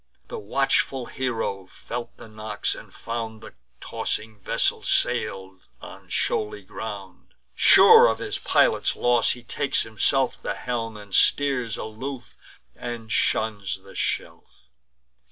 The watchful hero felt the knocks, and found The tossing vessel sail'd on shoaly ground. Sure of his pilot's loss, he takes himself The helm, and steers aloof, and shuns the shelf.